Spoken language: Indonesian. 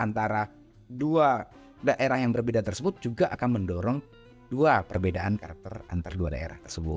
antara dua daerah yang berbeda tersebut juga akan mendorong dua perbedaan karakter antar dua daerah tersebut